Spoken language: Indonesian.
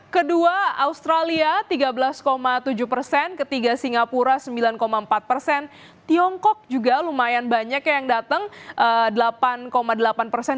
kedua australia tiga belas tujuh persen ketiga singapura sembilan empat persen tiongkok juga lumayan banyak yang datang delapan delapan persen